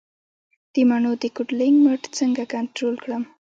د مڼو د کوډلینګ مټ څنګه کنټرول کړم؟